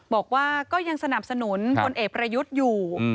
บอกว่าก็ยังสนับสนุนพลเอกประยุทธ์อยู่